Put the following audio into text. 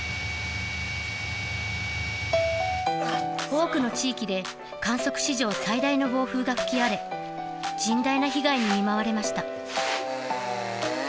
多くの地域で観測史上最大の暴風が吹き荒れ甚大な被害に見舞われました。